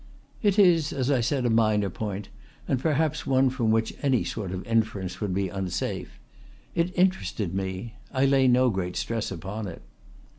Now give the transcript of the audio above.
"It is, as I said, a minor point, and perhaps one from which any sort of inference would be unsafe. It interested me. I lay no great stress upon it."